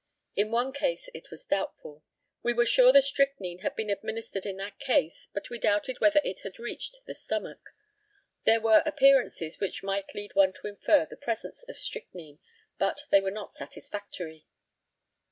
In one case it was doubtful. We were sure the strychnine had been administered in that case, but we doubted whether it had reached the stomach. There were appearances which might lead one to infer the presence of strychnine, but they were not satisfactory.